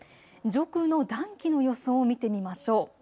上空の暖気の予想を見てみましょう。